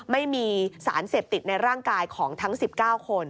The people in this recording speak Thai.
ไม่มีสารเสพติดในร่างกายของทั้ง๑๙คน